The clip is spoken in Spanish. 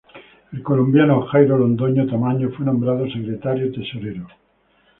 El colombiano Jairo Londoño Tamayo fue nombrado Secretario Tesorero.